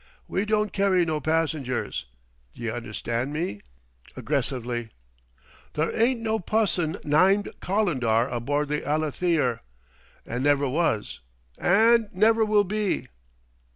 We don't carry no passengers. D'ye understand me?" aggressively. "There ain't no pusson nymed Calendar aboard the Allytheer, an' never was, an' never will be!"